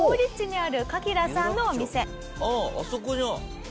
「あっあそこじゃん！」